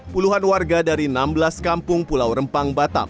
puluhan warga dari enam belas kampung pulau rempang batam